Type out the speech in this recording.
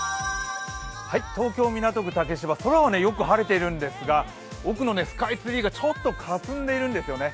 東京・港区竹芝、空はよく晴れているんですが奥のスカイツリーがちょっとかすんでいるんですよね。